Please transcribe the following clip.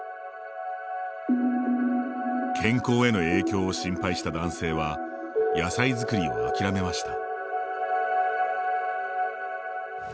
健康への影響を心配した男性は野菜作りを諦めました。